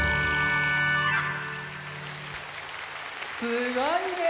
すごいね。